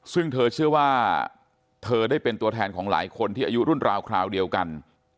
ซึ่งเธอเชื่อว่าเธอได้เป็นตัวแทนของหลายคนที่อายุรุ่นราวคราวเดียวกัน